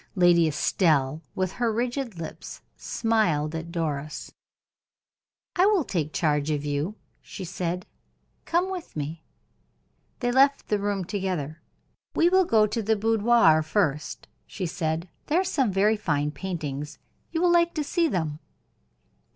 Lady Estelle, with her rigid lips, smiled at Doris. "I will take charge of you," she said. "Come with me." They left the room together. "We will go to the boudoir first," she said. "There are some very fine paintings; you will like to see them."